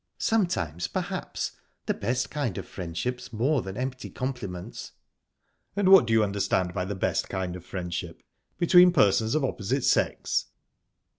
"Sometimes, perhaps. The best kind of friendship's more than empty compliments." "And what do you understand by the best kind of friendship between persons of opposite sex?"